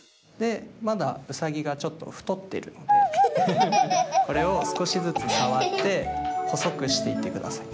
まだウサギがちょっとふとってるのでこれをすこしずつさわってほそくしていってください。